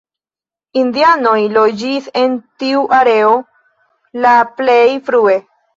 Indianoj loĝis en tiu areo la plej frue.